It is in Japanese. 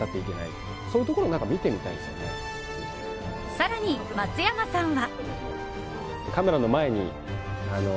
更に、松山さんは。